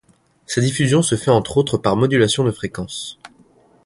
Sa diffusion se fait entre autres par modulation de fréquence.